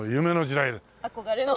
憧れの。